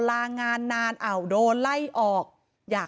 เหตุการณ์เกิดขึ้นแถวคลองแปดลำลูกกา